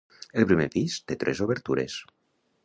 El primer pis té tres obertures.